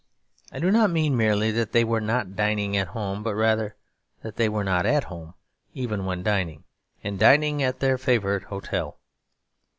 I do not mean merely that they were not dining at home; but rather that they were not at home even when dining, and dining at their favourite hotel.